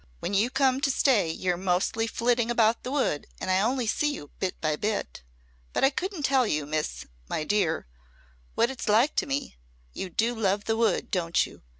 When you come to stay you're mostly flitting about the wood and I only see you bit by bit. But I couldn't tell you, Miss, my dear, what it's like to me. You do love the wood, don't you?